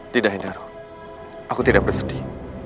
tidak hendaroh aku tidak bersedih